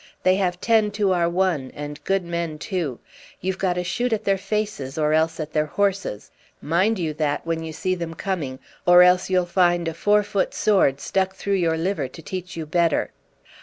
They have ten to our one, and good men too. You've got to shoot at their faces or else at their horses. Mind you that when you see them coming, or else you'll find a four foot sword stuck through your liver to teach you better.